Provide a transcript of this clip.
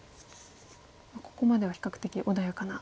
ここまでは比較的穏やかな。